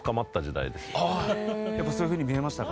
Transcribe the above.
やっぱそういうふうに見えましたか？